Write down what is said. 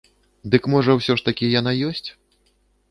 Дык можа ўсё ж такі яна ёсць?